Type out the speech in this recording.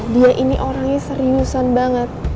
dia ini orangnya seriusan banget